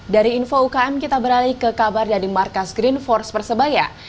dari info ukm kita beralih ke kabar dari markas green force persebaya